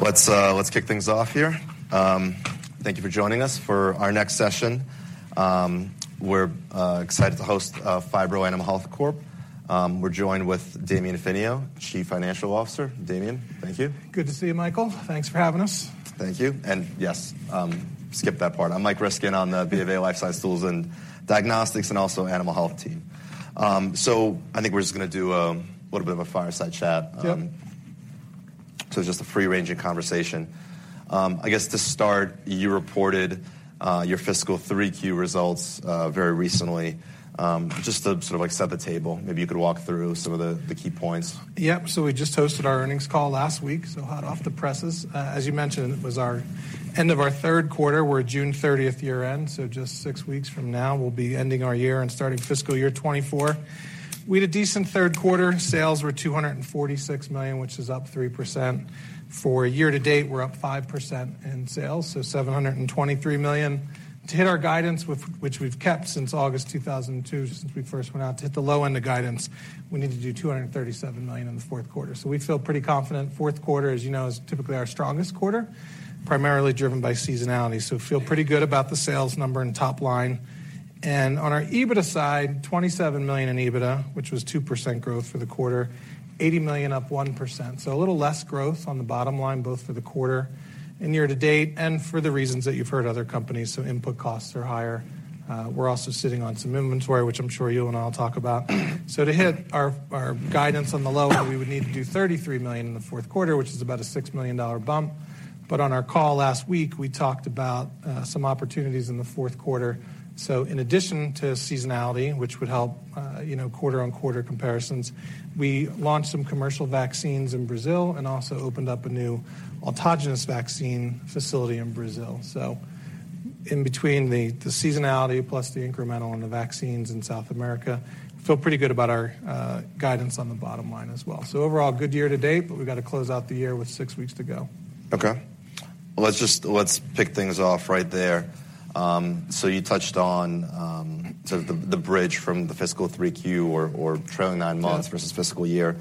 Let's, let's kick things off here. Thank you for joining us for our next session. We're excited to host Phibro Animal Health Corporation. We're joined with Damian Finio, Chief Financial Officer. Damian, thank you. Good to see you, Michael. Thanks for having us. Thank you. Yes, skip that part. I'm Mike Ryskin on the BofA Life Science Tools and Diagnostics and also Animal Health team. I think we're just going to do a little bit of a fireside chat. Yep. Just a free-ranging conversation. I guess to start, you reported your fiscal 3Q results very recently. Just to sort of, like, set the table, maybe you could walk through some of the key points. Yep. We just hosted our earnings call last week, hot off the presses. As you mentioned, it was our end of our third quarter. We're a June 30th year-end, just six weeks from now, we'll be ending our year and starting fiscal year 2024. We had a decent third quarter. Sales were $246 million, which is up 3%. For year to date, we're up 5% in sales, $723 million. To hit our guidance which we've kept since August 2002, since we first went out, to hit the low end of guidance, we need to do $237 million in the fourth quarter. We feel pretty confident. Fourth quarter, as you know, is typically our strongest quarter, primarily driven by seasonality. Feel pretty good about the sales number and top line. On our EBITDA side, $27 million in EBITDA, which was 2% growth for the quarter, $80 million up 1%. A little less growth on the bottom line, both for the quarter and year to date, and for the reasons that you've heard other companies. Input costs are higher. We're also sitting on some inventory, which I'm sure you and I'll talk about. To hit our guidance on the low end, we would need to do $33 million in the fourth quarter, which is about a $6 million bump. On our call last week, we talked about some opportunities in the fourth quarter. In addition to seasonality, which would help, you know, quarter-on-quarter comparisons, we launched some commercial vaccines in Brazil and also opened up a new autogenous vaccine facility in Brazil. In between the seasonality plus the incremental and the vaccines in South America, feel pretty good about our guidance on the bottom line as well. Overall, good year to date, but we've got to close out the year with six weeks to go. Okay. Let's kick things off right there. You touched on, sort of the bridge from the fiscal 3Q or trailing nine months... Yeah. -versus fiscal year.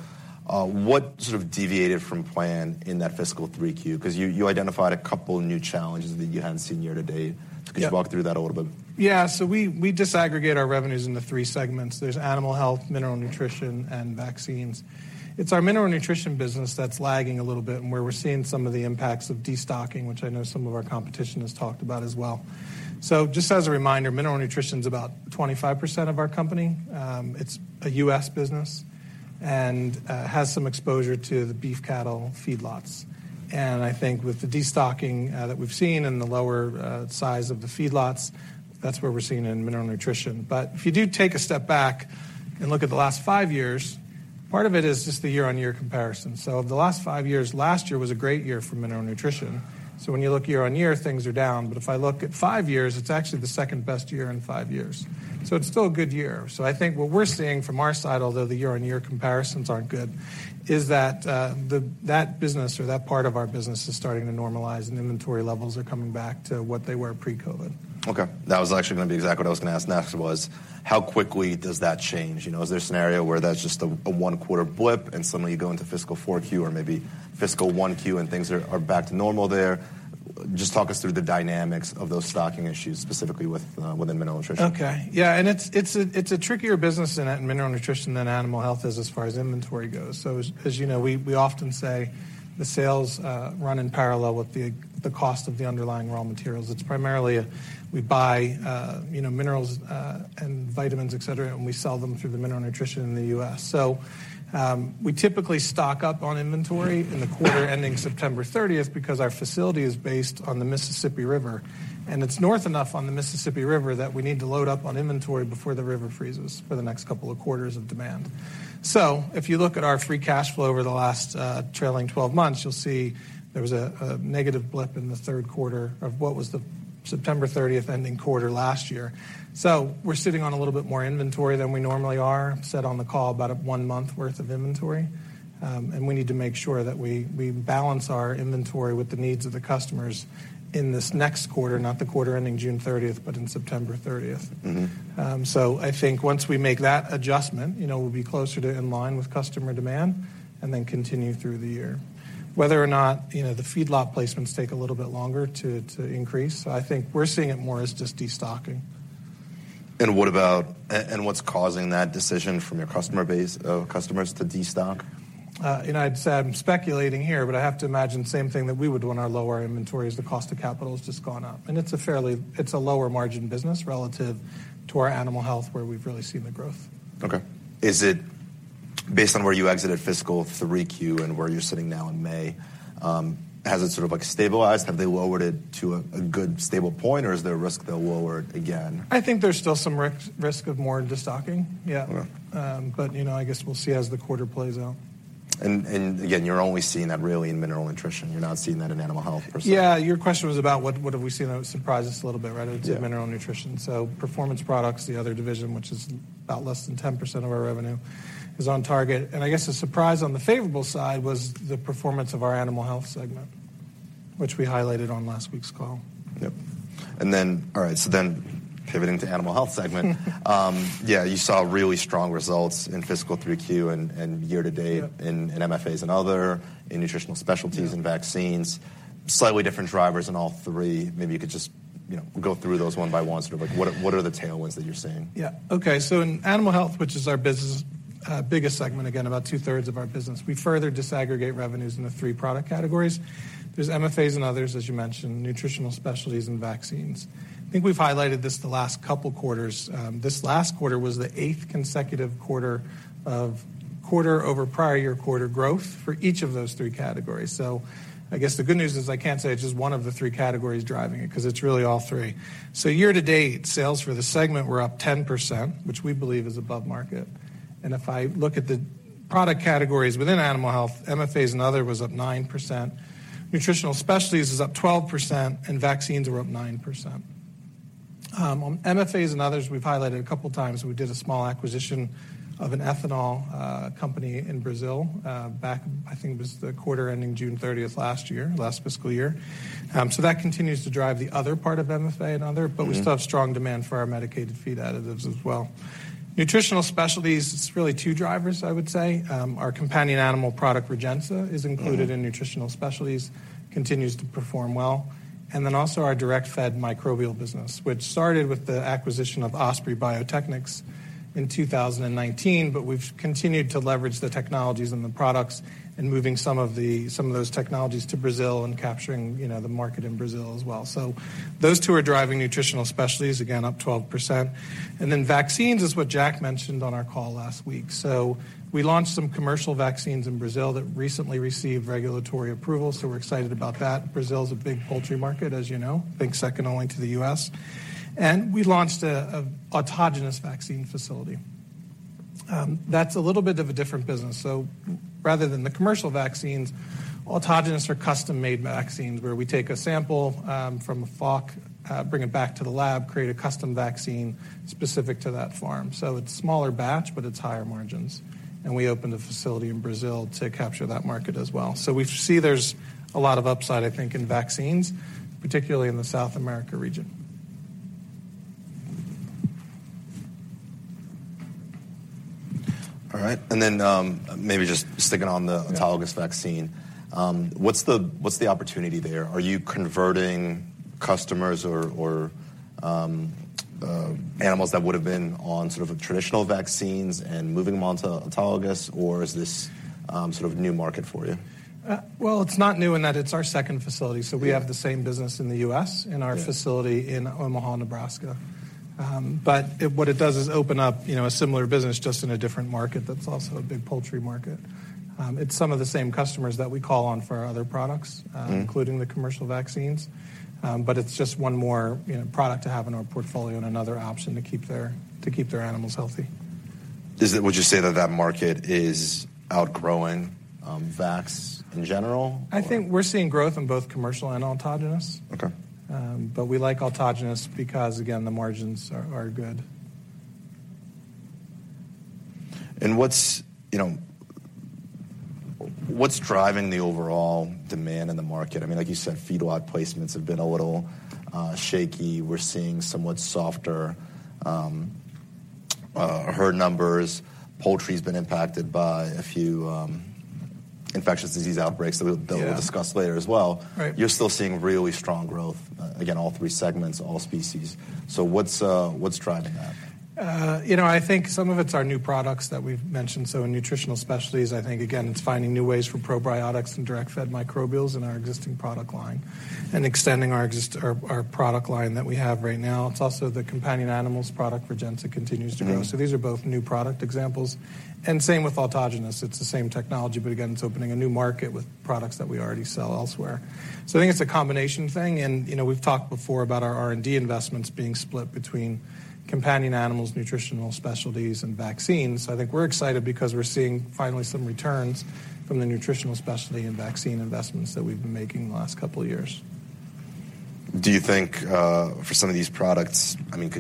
What sort of deviated from plan in that fiscal 3Q? Because you identified a couple new challenges that you hadn't seen year-to-date. Yeah. Could you walk through that a little bit? We disaggregate our revenues into three segments. There's Animal Health, Mineral Nutrition, and Vaccines. It's our Mineral Nutrition business that's lagging a little bit and where we're seeing some of the impacts of destocking, which I know some of our competition has talked about as well. Just as a reminder, Mineral Nutrition's about 25% of our company. It's a U.S. business and has some exposure to the beef cattle feedlots. I think with the destocking that we've seen and the lower size of the feedlots, that's what we're seeing in Mineral Nutrition. If you do take a step back and look at the last five years, part of it is just the year-on-year comparison. The last five years, last year was a great year for Mineral Nutrition. When you look year-on-year, things are down. If I look at five years, it's actually the second-best year in five years. It's still a good year. I think what we're seeing from our side, although the year-on-year comparisons aren't good, is that that business or that part of our business is starting to normalize and inventory levels are coming back to what they were pre-COVID. Okay. That was actually gonna be exactly what I was gonna ask next, was how quickly does that change? You know, is there a scenario where that's just a one quarter blip and suddenly you go into fiscal 4Q or maybe fiscal 1Q and things are back to normal there? Just talk us through the dynamics of those stocking issues, specifically within Mineral Nutrition. Okay. Yeah. It's a trickier business in Mineral Nutrition than animal health is as far as inventory goes. As you know, we often say the sales run in parallel with the cost of the underlying raw materials. It's primarily we buy, you know, minerals, and vitamins, et cetera, and we sell them through the Mineral Nutrition in the U.S.. We typically stock up on inventory in the quarter ending September 30th because our facility is based on the Mississippi River, and it's north enough on the Mississippi River that we need to load up on inventory before the river freezes for the next couple of quarters of demand. If you look at our free cash flow over the last trailing 12 months, you'll see there was a negative blip in the third quarter of what was the September 30th ending quarter last year. We're sitting on a little bit more inventory than we normally are, said on the call about a one-month worth of inventory. We need to make sure that we balance our inventory with the needs of the customers in this next quarter, not the quarter ending June 30th, but in September 30th. Mm-hmm. I think once we make that adjustment, you know, we'll be closer to in line with customer demand and then continue through the year. Whether or not, you know, the feedlot placements take a little bit longer to increase, I think we're seeing it more as just destocking. What about what's causing that decision from your customer base, customers to destock? You know, I'd say I'm speculating here, but I have to imagine same thing that we would do in our lower inventory is the cost of capital has just gone up. It's a lower margin business relative to our animal health, where we've really seen the growth. Okay. Is it based on where you exited fiscal 3Q and where you're sitting now in May, has it sort of like stabilized? Have they lowered it to a good stable point, or is there a risk they'll lower it again? I think there's still some risk of more destocking. Yeah. Yeah. You know, I guess we'll see as the quarter plays out. Again, you're only seeing that really in Mineral Nutrition. You're not seeing that in animal health per se. Yeah. Your question was about what have we seen that would surprise us a little bit, right? Yeah. It's in Mineral Nutrition. Performance Products, the other division, which is about less than 10% of our revenue, is on target. I guess the surprise on the favorable side was the performance of our animal health segment, which we highlighted on last week's call. Yep. All right, pivoting to animal health segment. Yeah, you saw really strong results in fiscal 3Q and year to date. Yep. in MFAs and other, in nutritional specialties Yeah. -and vaccines. Slightly different drivers in all three. Maybe you could just, you know, go through those one by one. Sort of like what are the tailwinds that you're seeing? Yeah. Okay. In animal health, which is our business, biggest segment, again about two-thirds of our business, we further disaggregate revenues into three product categories. There's MFAs and others, as you mentioned, nutritional specialties and vaccines. I think we've highlighted this the last couple quarters. This last quarter was the eighth consecutive quarter of quarter over prior year quarter growth for each of those three categories. I guess the good news is I can't say it's just one of the three categories driving it, 'cause it's really all three. Year to date, sales for the segment were up 10%, which we believe is above market. If I look at the product categories within animal health, MFAs and other was up 9%, nutritional specialties is up 12%, and vaccines were up 9%. MFAs and others, we've highlighted a couple times. We did a small acquisition of an ethanol company in Brazil, back, I think it was the quarter ending June 30th last year, last fiscal year. That continues to drive the other part of MFA and other. Mm-hmm. We still have strong demand for our medicated feed additives as well. nutritional specialties, it's really two drivers, I would say. Our companion animal product, Rejensa, is included. Mm-hmm. -in nutritional specialties, continues to perform well. Also our direct-fed microbial business, which started with the acquisition of Osprey Biotechnics in 2019, but we've continued to leverage the technologies and the products and moving some of the, some of those technologies to Brazil and capturing, you know, the market in Brazil as well. Those two are driving nutritional specialties, again, up 12%. Vaccines is what Jack mentioned on our call last week. We launched some commercial vaccines in Brazil that recently received regulatory approval, so we're excited about that. Brazil is a big poultry market, as you know. Think second only to the U.S. We launched a autogenous vaccine facility. That's a little bit of a different business. Rather than the commercial vaccines, autogenous are custom-made vaccines where we take a sample from a flock, bring it back to the lab, create a custom vaccine specific to that farm. It's smaller batch, but it's higher margins. We opened a facility in Brazil to capture that market as well. We see there's a lot of upside, I think, in vaccines, particularly in the South America region. All right. Maybe just sticking on the autogenous vaccine. What's the, what's the opportunity there? Are you converting customers or animals that would have been on sort of traditional vaccines and moving them onto autogenous, or is this sort of new market for you? Well, it's not new in that it's our second facility. Mm-hmm. We have the same business in the U.S. in our facility. Yeah. in Omaha, Nebraska. What it does is open up, you know, a similar business just in a different market that's also a big poultry market. It's some of the same customers that we call on for our other products. Mm-hmm. including the commercial vaccines. It's just one more, you know, product to have in our portfolio and another option to keep their animals healthy. Would you say that that market is outgrowing vax in general? I think we're seeing growth in both commercial and autogenous. Okay. We like autogenous because again, the margins are good. What's, you know, what's driving the overall demand in the market? I mean, like you said, feedlot placements have been a little shaky. We're seeing somewhat softer herd numbers. Poultry's been impacted by a few infectious disease outbreaks. Yeah. that we'll discuss later as well. Right. You're still seeing really strong growth, again, all three segments, all species. What's driving that? You know, I think some of it's our new products that we've mentioned. In nutritional specialties, I think, again, it's finding new ways for probiotics and direct-fed microbials in our existing product line and extending our product line that we have right now. It's also the companion animals product, Rejensa, continues to grow. Mm-hmm. These are both new product examples. Same with autogenous. It's the same technology, but again, it's opening a new market with products that we already sell elsewhere. I think it's a combination thing. You know, we've talked before about our R&D investments being split between companion animals, nutritional specialties, and vaccines. I think we're excited because we're seeing finally some returns from the nutritional specialty and vaccine investments that we've been making the last couple of years. Do you think, for some of these products, I mean,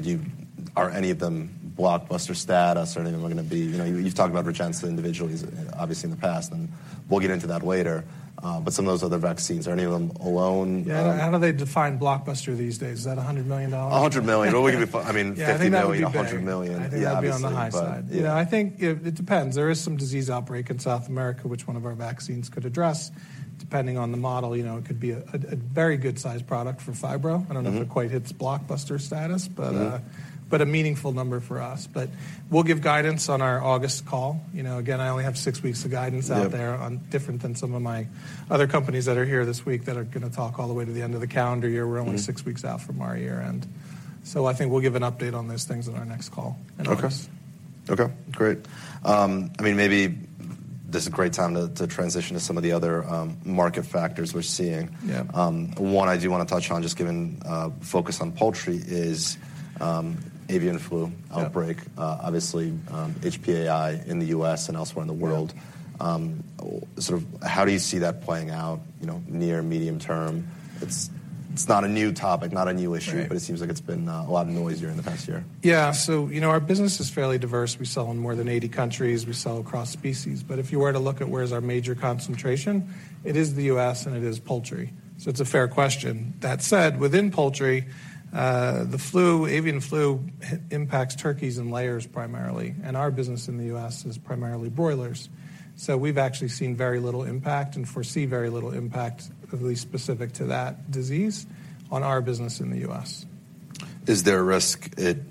Are any of them blockbuster status or any of them are gonna be? You know, you've talked about Rejensa individually obviously in the past, and we'll get into that later. Some of those other vaccines, are any of them alone? Yeah. How do they define blockbuster these days? Is that $100 million? $100 million. I mean, $50 million. Yeah, I think that would be big. $100 million. Yeah, obviously. I think that'd be on the high side. You know, I think it depends. There is some disease outbreak in South America, which one of our vaccines could address. Depending on the model, you know, it could be a very good size product for Phibro. Mm-hmm. I don't know if it quite hits blockbuster status, but. Mm-hmm. A meaningful number for us. We'll give guidance on our August call. You know, again, I only have six weeks of guidance out there. Yep. -on different than some of my other companies that are gonna talk all the way to the end of the calendar year. Mm-hmm. We're only six weeks out from our year-end. I think we'll give an update on those things on our next call in August. Okay. Okay, great. I mean, maybe this is a great time to transition to some of the other, market factors we're seeing. Yeah. One I do wanna touch on, just given focus on poultry is avian flu. Yeah. Outbreak. Obviously, HPAI in the U.S. and elsewhere in the world. Yeah. sort of how do you see that playing out, you know, near medium term? It's not a new topic, not a new issue. Right. It seems like it's been, a lot noisier in the past year. Yeah. You know, our business is fairly diverse. We sell in more than 80 countries. We sell across species. If you were to look at where is our major concentration, it is the U.S. and it is poultry. It's a fair question. That said, within poultry, the flu, avian flu impacts turkeys and layers primarily, and our business in the U.S. is primarily broilers. We've actually seen very little impact and foresee very little impact, at least specific to that disease, on our business in the U.S. Is there a risk it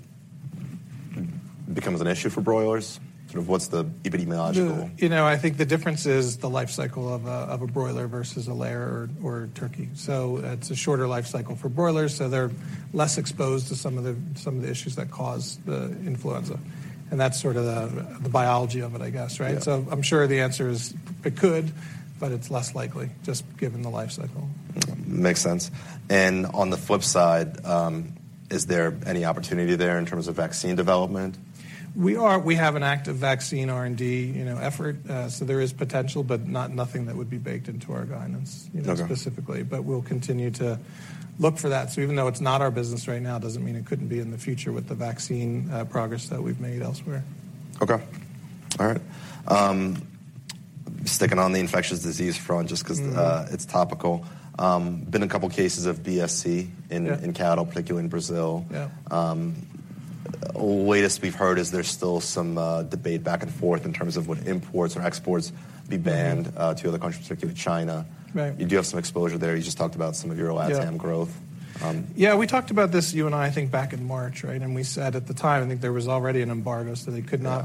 becomes an issue for broilers? Sort of what's the epidemiological- You, you know, I think the difference is the life cycle of a broiler versus a layer or turkey. It's a shorter life cycle for broilers, so they're less exposed to some of the issues that cause the influenza. That's sort of the biology of it, I guess, right? Yeah. I'm sure the answer is it could, but it's less likely just given the life cycle. Makes sense. On the flip side, is there any opportunity there in terms of vaccine development? We have an active vaccine R&D, you know, effort. There is potential, but not nothing that would be baked into our guidance. Okay. you know, specifically. We'll continue to look for that. Even though it's not our business right now, doesn't mean it couldn't be in the future with the vaccine, progress that we've made elsewhere. Okay. All right. Sticking on the infectious disease front. Mm-hmm. it's topical. been a couple cases of BSE in- Yeah. in cattle, particularly in Brazil. Yeah. Latest we've heard is there's still some debate back and forth in terms of would imports or exports be banned to other countries, particularly China. Right. You do have some exposure there. You just talked about some of your LATAM growth. Yeah, we talked about this, you and I think back in March, right? We said at the time, I think there was already an embargo, so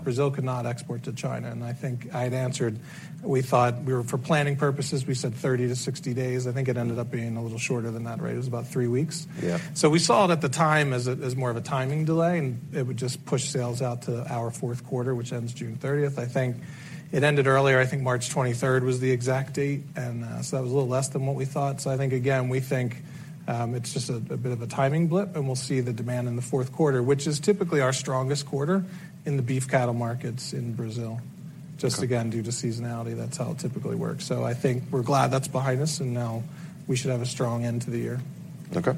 Brazil could not export to China. I think I'd answered, we were for planning purposes, we said 30-60 days. I think it ended up being a little shorter than that, right? It was about three weeks. Yeah. We saw it at the time as more of a timing delay, and it would just push sales out to our fourth quarter, which ends June 30th. I think it ended earlier, I think March 23rd was the exact date. That was a little less than what we thought. I think again, we think it's just a bit of a timing blip, and we'll see the demand in the fourth quarter, which is typically our strongest quarter in the beef cattle markets in Brazil. Okay. Just again, due to seasonality, that's how it typically works. I think we're glad that's behind us, and now we should have a strong end to the year. Okay.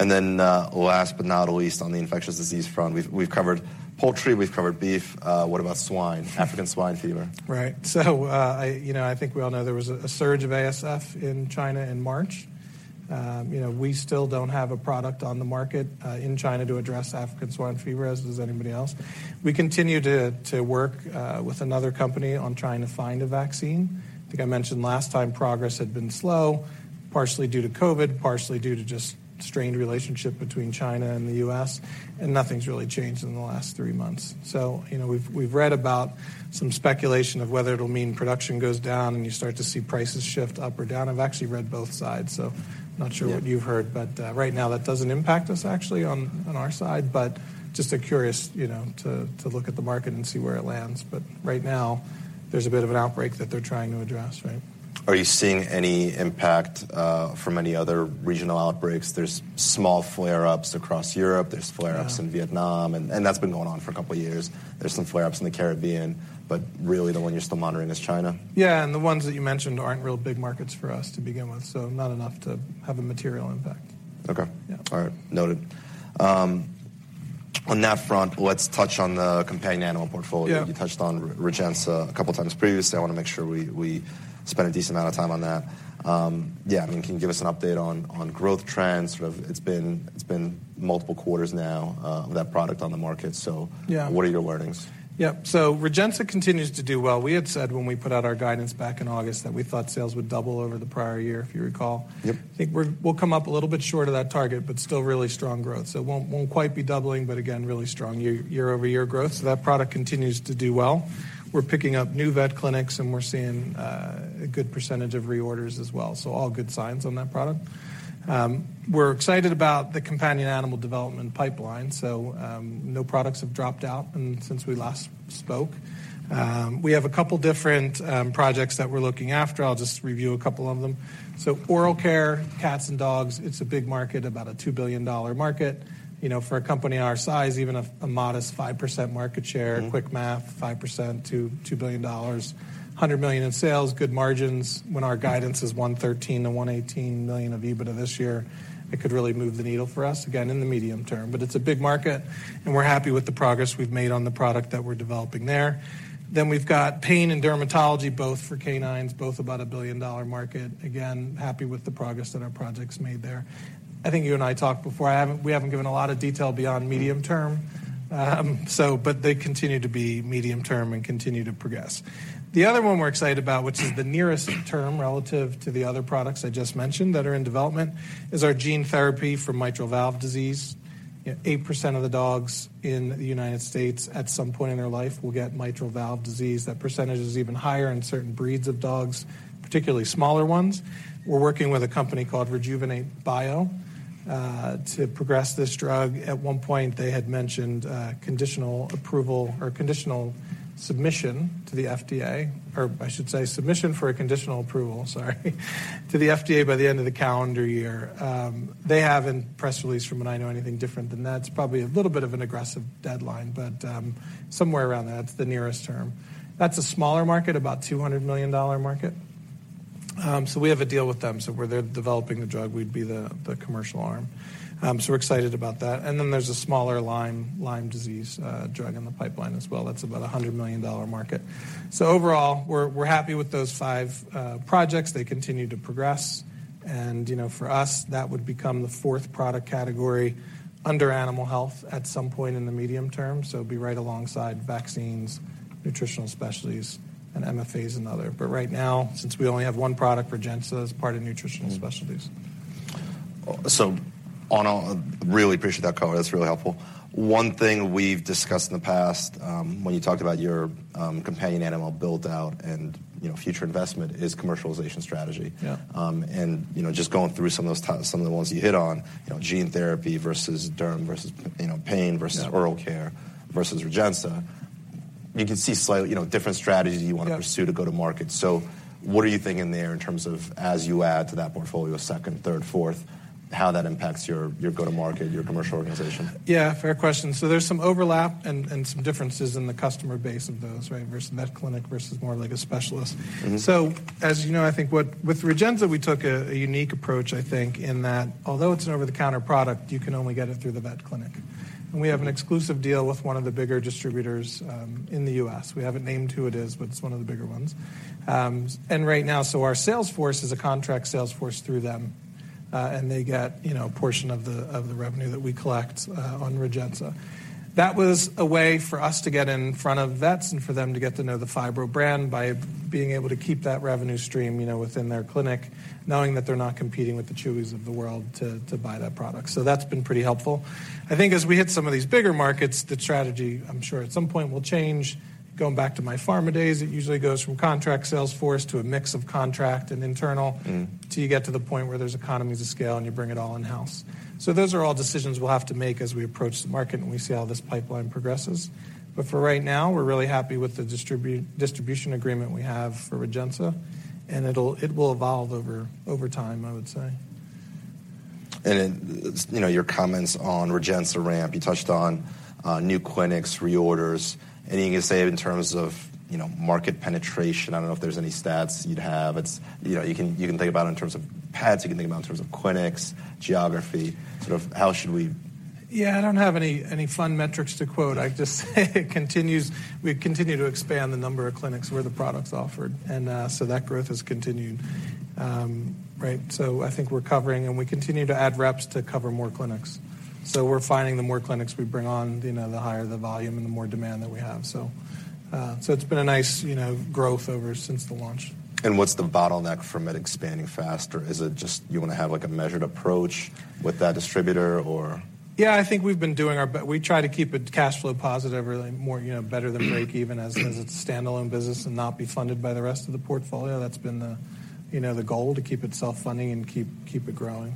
Last but not least on the infectious disease front. We've covered poultry, we've covered beef. What about swine? African swine fever. Right. I, you know, I think we all know there was a surge of ASF in China in March. You know, we still don't have a product on the market in China to address African swine fever, as does anybody else. We continue to work with another company on trying to find a vaccine. I think I mentioned last time progress had been slow, partially due to COVID, partially due to just strained relationship between China and the U.S., and nothing's really changed in the last three months. You know, we've read about some speculation of whether it'll mean production goes down and you start to see prices shift up or down. I've actually read both sides, so not sure what you've heard. Right now that doesn't impact us actually on our side. Just a curious, you know, to look at the market and see where it lands. But right now, there's a bit of an outbreak that they're trying to address, right? Are you seeing any impact from any other regional outbreaks? There's small flare-ups across Europe, there's flare-ups in Vietnam. Yeah. That's been going on for a couple years. There's some flare-ups in the Caribbean, but really the one you're still monitoring is China. The ones that you mentioned aren't real big markets for us to begin with, so not enough to have a material impact. Okay. Yeah. All right. Noted. on that front, let's touch on the companion animal portfolio. Yeah. You touched on Rejensa a couple times previously. I wanna make sure we spend a decent amount of time on that. Yeah, I mean, can you give us an update on growth trends? Sort of it's been multiple quarters now of that product on the market. Yeah. What are your learnings? Yep. Rejensa continues to do well. We had said when we put out our guidance back in August that we thought sales would double over the prior year, if you recall. Yep. I think we'll come up a little bit short of that target, but still really strong growth. It won't quite be doubling, but again, really strong year-over-year growth. That product continues to do well. We're picking up new vet clinics and we're seeing a good percentage of reorders as well. All good signs on that product. We're excited about the companion animal development pipeline. No products have dropped out and since we last spoke. We have a couple different projects that we're looking after. I'll just review a couple of them. Oral care, cats and dogs, it's a big market, about a $2 billion market. You know, for a company our size, even a modest 5% market share. Mm-hmm. Quick math, 5% to $2 billion, $100 million in sales, good margins. When our guidance is $113 million-$118 million of EBITDA this year, it could really move the needle for us again in the medium term. It's a big market, and we're happy with the progress we've made on the product that we're developing there. We've got pain and dermatology, both for canines, both about a $1 billion market. Again, happy with the progress that our project's made there. I think you and I talked before. We haven't given a lot of detail beyond medium term. They continue to be medium term and continue to progress. The other one we're excited about, which is the nearest term relative to the other products I just mentioned that are in development, is our gene therapy for Mitral valve disease. 8% of the dogs in the United States at some point in their life will get Mitral valve disease. That percentage is even higher in certain breeds of dogs, particularly smaller ones. We're working with a company called Rejuvenate Bio to progress this drug. At one point, they had mentioned conditional approval or conditional submission to the FDA, or I should say submission for a conditional approval, sorry, to the FDA by the end of the calendar year. They have in press release from what I know anything different than that. It's probably a little bit of an aggressive deadline, but somewhere around that's the nearest term. That's a smaller market, about a $200 million market. We have a deal with them. Where they're developing the drug, we'd be the commercial arm. We're excited about that. There's a smaller Lyme disease drug in the pipeline as well. That's about a $100 million market. Overall, we're happy with those five projects. They continue to progress. You know, for us, that would become the fourth product category under animal health at some point in the medium term. It'd be right alongside vaccines, nutritional specialties, and MFAs and other. Right now, since we only have one product, Rejensa, it's part of nutritional specialties. Really appreciate that color. That's really helpful. One thing we've discussed in the past, when you talked about your companion animal build-out and, you know, future investment is commercialization strategy. Yeah. you know, just going through some of those some of the ones you hit on, you know, gene therapy versus derm versus, you know, pain. Yeah ...versus oral care versus Rejensa. You can see slightly, you know, different strategies. Yeah ...pursue to go to market. What are you thinking there in terms of as you add to that portfolio, second, third, fourth, how that impacts your go-to-market, your commercial organization? Yeah, fair question. There's some overlap and some differences in the customer base of those, right? Versus vet clinic versus more like a specialist. Mm-hmm. As you know, I think with Rejensa, we took a unique approach, I think, in that although it's an over-the-counter product, you can only get it through the vet clinic. We have an exclusive deal with one of the bigger distributors in the U.S. We haven't named who it is, but it's one of the bigger ones. Right now, our sales force is a contract sales force through them. They get, you know, a portion of the revenue that we collect on Rejensa. That was a way for us to get in front of vets and for them to get to know the Phibro brand by being able to keep that revenue stream, you know, within their clinic, knowing that they're not competing with the Chewys of the world to buy that product. That's been pretty helpful. I think as we hit some of these bigger markets, the strategy, I'm sure at some point will change. Going back to my pharma days, it usually goes from contract sales force to a mix of contract and internal- Mm ...till you get to the point where there's economies of scale, and you bring it all in-house. Those are all decisions we'll have to make as we approach the market, and we see how this pipeline progresses. For right now, we're really happy with the distribution agreement we have for Rejensa, and it will evolve over time, I would say. You know, your comments on Rejensa ramp, you touched on new clinics, reorders. Anything you can say in terms of, you know, market penetration? I don't know if there's any stats you'd have. It's, you know, you can, you can think about it in terms of pads, you can think about in terms of clinics, geography, sort of how should we. Yeah, I don't have any fun metrics to quote. I'd just say we continue to expand the number of clinics where the product's offered and that growth has continued. Right. I think we're covering, and we continue to add reps to cover more clinics. We're finding the more clinics we bring on, you know, the higher the volume and the more demand that we have. It's been a nice, you know, growth over since the launch. What's the bottleneck from it expanding faster? Is it just you wanna have like a measured approach with that distributor or? Yeah, I think we've been doing our we try to keep it cash flow positive, really more, you know, better than break even as a standalone business and not be funded by the rest of the portfolio. That's been the, you know, the goal to keep it self-funding and keep it growing.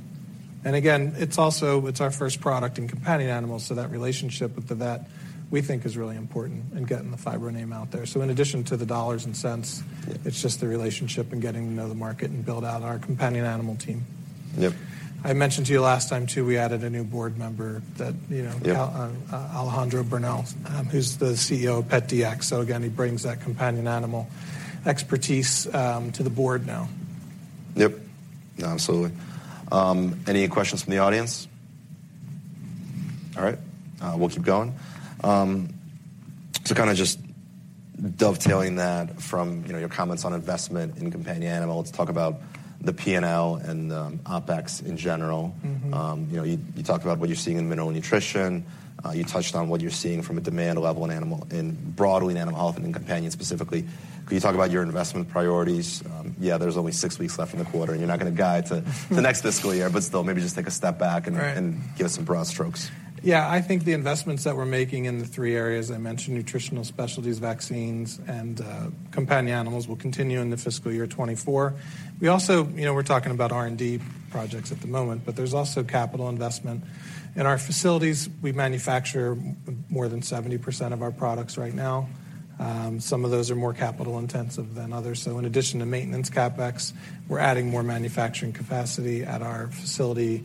Again, it's also, it's our first product in companion animals, so that relationship with the vet we think is really important in getting the Phibro name out there. In addition to the dollars and cents. Yeah it's just the relationship and getting to know the market and build out our companion animal team. Yep. I mentioned to you last time too, we added a new board member that, you know. Yeah Alejandro Bernal, who's the CEO of PetDx. Again, he brings that companion animal expertise to the board now. Yep. Absolutely. Any questions from the audience? All right, we'll keep going. Kinda just dovetailing that from, you know, your comments on investment in companion animal, let's talk about the P&L and OpEx in general. Mm-hmm. You know, you talked about what you're seeing in Mineral Nutrition. You touched on what you're seeing from a demand level broadly in animal health and in companion specifically. Can you talk about your investment priorities? There's only six weeks left in the quarter. You're not gonna guide to the next fiscal year. Still maybe just take a step back and. Right ...give us some broad strokes. I think the investments that we're making in the three areas I mentioned, nutritional specialties, vaccines, and companion animals, will continue into fiscal year 2024. We also, you know, we're talking about R&D projects at the moment, but there's also capital investment. In our facilities, we manufacture more than 70% of our products right now. Some of those are more capital intensive than others. In addition to maintenance CapEx, we're adding more manufacturing capacity at our facility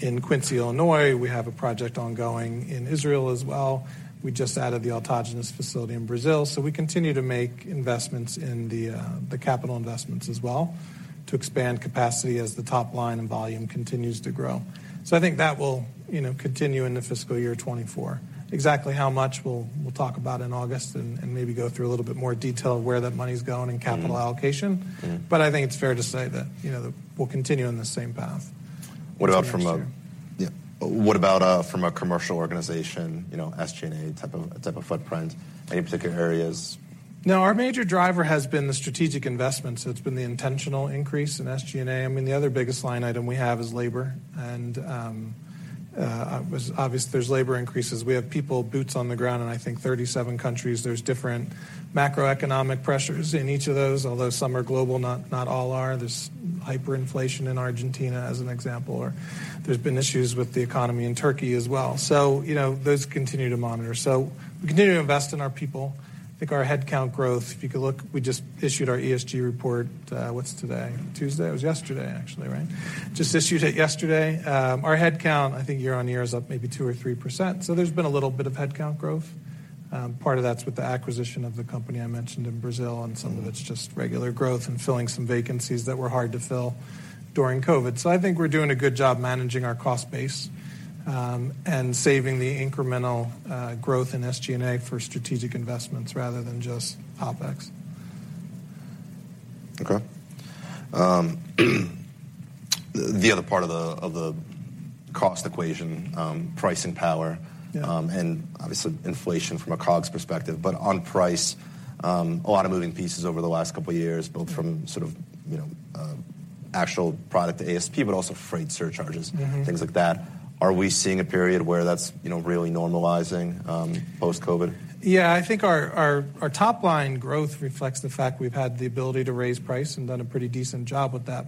in Quincy, Illinois. We have a project ongoing in Israel as well. We just added the autogenous facility in Brazil. We continue to make investments in the capital investments as well to expand capacity as the top line and volume continues to grow. I think that will, you know, continue into fiscal year 2024. Exactly how much we'll talk about in August and maybe go through a little bit more detail of where that money's going in capital allocation. Mm. Mm. I think it's fair to say that, you know, we'll continue on the same path next year. What about from a. Yeah. What about from a commercial organization, you know, SG&A type of footprint? Any particular areas? No. Our major driver has been the strategic investments. It's been the intentional increase in SG&A. I mean, the other biggest line item we have is labor and obviously there's labor increases. We have people, boots on the ground in I think 37 countries. There's different macroeconomic pressures in each of those, although some are global, not all are. There's hyperinflation in Argentina as an example or there's been issues with the economy in Turkey as well. You know, those continue to monitor. We continue to invest in our people. I think our headcount growth, if you could look, we just issued our ESG report, what's today? Tuesday? It was yesterday, actually, right? Just issued it yesterday. Our head count, I think year-over-year is up maybe 2% or 3%, so there's been a little bit of head count growth. part of that's with the acquisition of the company I mentioned in Brazil, and some of it's just regular growth and filling some vacancies that were hard to fill during COVID. I think we're doing a good job managing our cost base, and saving the incremental growth in SG&A for strategic investments rather than just OpEx. Okay. The other part of the, of the cost equation, pricing power. Yeah. Obviously inflation from a COGS perspective. On price, a lot of moving pieces over the last couple of years, both from sort of, you know, actual product ASP, but also freight surcharges. Mm-hmm. Things like that. Are we seeing a period where that's, you know, really normalizing, post-COVID? Yeah. I think our top line growth reflects the fact we've had the ability to raise price and done a pretty decent job with that.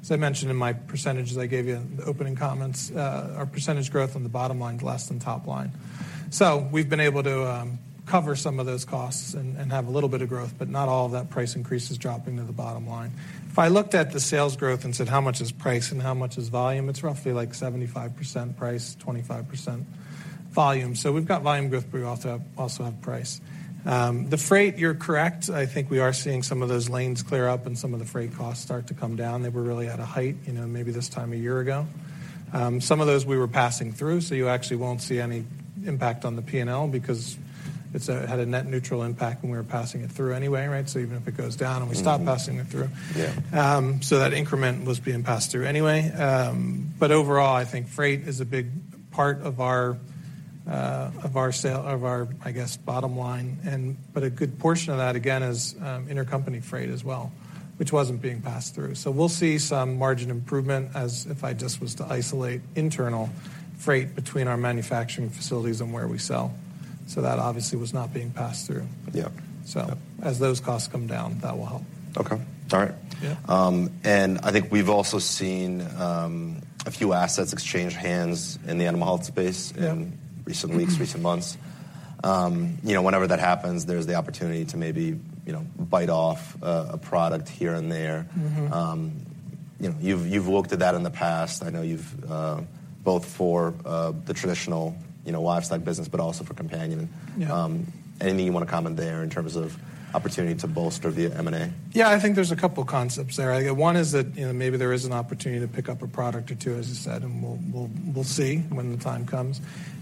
As I mentioned in my percentages I gave you in the opening comments, our percentage growth on the bottom line is less than top line. We've been able to cover some of those costs and have a little bit of growth, but not all of that price increase is dropping to the bottom line. If I looked at the sales growth and said, how much is price and how much is volume, it's roughly like 75% price, 25% volume. We've got volume growth, but we also have price. The freight, you're correct. I think we are seeing some of those lanes clear up and some of the freight costs start to come down. They were really at a height, you know, maybe this time a year ago. Some of those we were passing through, so you actually won't see any impact on the P&L because it's had a net neutral impact when we were passing it through anyway, right? Even if it goes down and we stop passing it through. Yeah. That increment was being passed through anyway. Overall, I think freight is a big part of our, of our, I guess, bottom line and, but a good portion of that again is, intercompany freight as well, which wasn't being passed through. We'll see some margin improvement as if I just was to isolate internal freight between our manufacturing facilities and where we sell. That obviously was not being passed through. Yeah. As those costs come down, that will help. Okay. All right. Yeah. I think we've also seen a few assets exchange hands in the animal health space. Yeah. In recent weeks, recent months. You know, whenever that happens, there's the opportunity to maybe, you know, bite off a product here and there. Mm-hmm. You know, you've looked at that in the past. I know you've, both for, the traditional, you know, livestock business, but also for companion. Yeah. Anything you wanna comment there in terms of opportunity to bolster via M&A? Yeah, I think there's a couple of concepts there. One is that, you know, maybe there is an opportunity to pick up a product or two, as I said, we'll see when the time comes.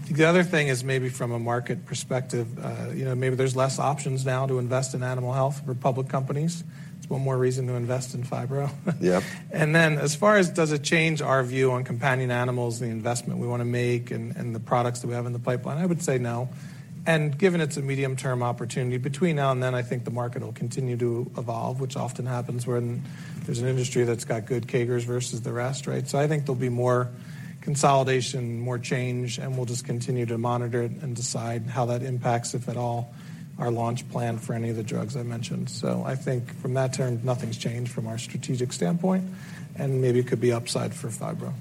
The other thing is maybe from a market perspective, you know, maybe there's less options now to invest in animal health for public companies. It's 1 more reason to invest in Phibro. Yep. As far as does it change our view on companion animals, the investment we wanna make and the products that we have in the pipeline, I would say no. Given it's a medium-term opportunity, between now and then, I think the market will continue to evolve, which often happens when there's an industry that's got good CAGRs versus the rest, right? I think there'll be more consolidation, more change, and we'll just continue to monitor it and decide how that impacts, if at all, our launch plan for any of the drugs I mentioned. I think from that term, nothing's changed from our strategic standpoint, and maybe it could be upside for Phibro.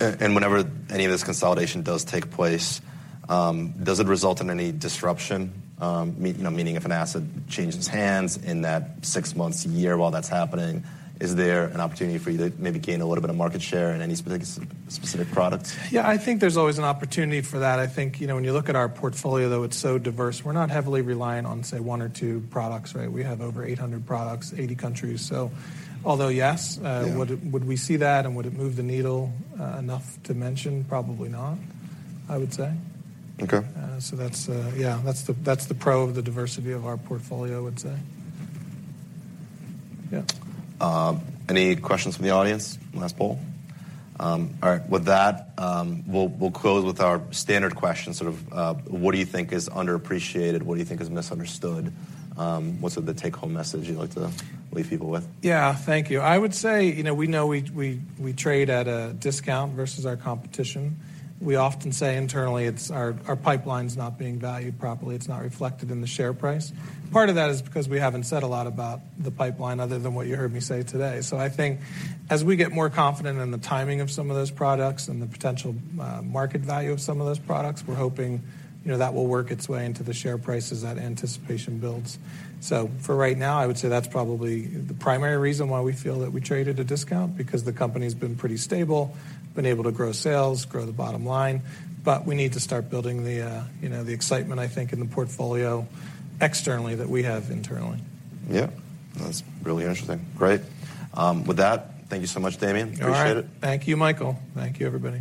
Whenever any of this consolidation does take place, does it result in any disruption? You know, meaning if an asset changes hands in that six months, a year while that's happening, is there an opportunity for you to maybe gain a little bit of market share in any specific products? Yeah, I think there's always an opportunity for that. I think, you know, when you look at our portfolio, though, it's so diverse. We're not heavily reliant on, say, one or two products, right? We have over 800 products, 80 countries. Although, yes. Yeah. Would we see that and would it move the needle, enough to mention? Probably not, I would say. Okay. That's the pro of the diversity of our portfolio, I would say. Any questions from the audience? Last poll. All right. With that, we'll close with our standard question, sort of, what do you think is underappreciated? What do you think is misunderstood? What's the take-home message you'd like to leave people with? Yeah. Thank you. I would say, you know, we know we trade at a discount versus our competition. We often say internally it's our pipeline's not being valued properly. It's not reflected in the share price. Part of that is because we haven't said a lot about the pipeline other than what you heard me say today. I think as we get more confident in the timing of some of those products and the potential market value of some of those products, we're hoping, you know, that will work its way into the share price as that anticipation builds. For right now, I would say that's probably the primary reason why we feel that we trade at a discount because the company's been pretty stable, been able to grow sales, grow the bottom line. We need to start building the, you know, the excitement, I think, in the portfolio externally that we have internally. Yeah. That's really interesting. Great. With that, thank you so much, Damian. All right. Appreciate it. Thank you, Michael. Thank you, everybody.